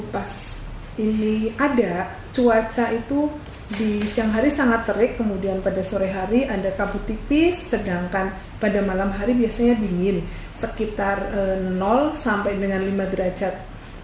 pada malam hari ada kampu tipis sedangkan pada malam hari biasanya dingin sekitar sampai dengan lima derajat